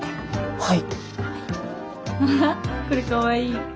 はい。